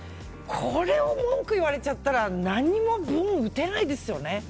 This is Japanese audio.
これを文句言われちゃったら何も文、打てないですよね。